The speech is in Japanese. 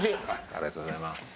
ありがとうございます。